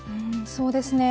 そうですね。